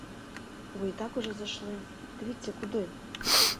Ви й так уже зайшли, дивіться куди!